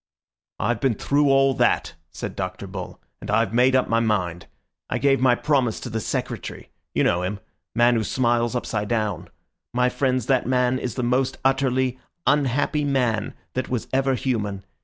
"I've been through all that," said Dr. Bull, "and I've made up my mind. I gave my promise to the Secretary—you know him, man who smiles upside down. My friends, that man is the most utterly unhappy man that was ever human.